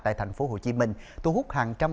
tại thành phố hồ chí minh thu hút hàng trăm